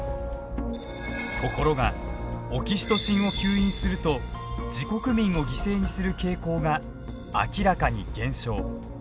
ところがオキシトシンを吸引すると自国民を犠牲にする傾向が明らかに減少。